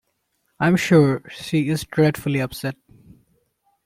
I'm sure she is dreadfully upset.